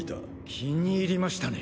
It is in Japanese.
気に入りましたね